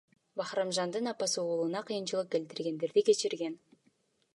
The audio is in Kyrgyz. Бахрамжандын апасы уулуна кыйынчылык келтиргендерди кечирген.